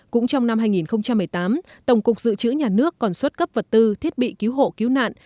cũng trong năm hai nghìn một mươi tám tổng cục dự trữ nhà nước còn xuất cấp vật tư thiết bị cứu hộ cứu nạn